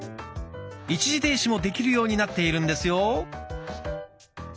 一時停止もできるようになっているんですよ。